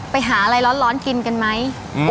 ไปหาอะไรร้อนกินกันไหม